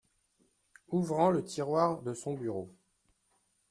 Ouvrant le tiroir de son bureau.